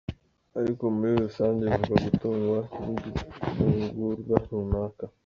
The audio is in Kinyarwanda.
Ariko muri rusange bivuga gutungwa n’igifungurwa runaka.